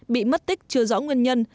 bị mất tích chưa rõ nguyên nhân